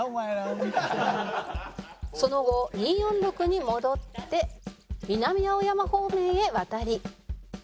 その後２４６に戻って南青山方面へ渡り